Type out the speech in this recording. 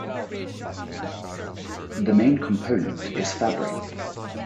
The main component is fabric.